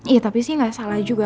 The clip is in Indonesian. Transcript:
iya tapi sih nggak salah juga